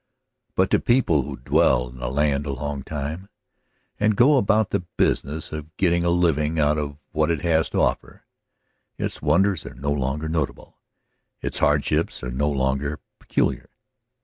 But to people who dwell in a land a long time and go about the business of getting a living out of what it has to offer, its wonders are no longer notable, its hardships no longer peculiar.